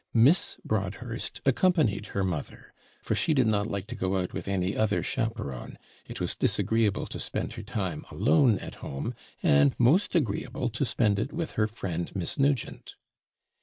Miss Broadhurst accompanied her mother, for she did not like to go out with any other chaperon it was disagreeable to spend her time alone at home, and most agreeable to spend it with her friend Miss Nugent.